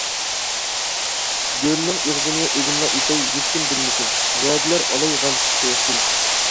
گۆرنىڭ ئېغىزىنى ئۆزۈملا ئېتەي، ھېچكىم بىلمىسۇن ۋەدىلەر ئالاي غەمسىز قۇياشتىن.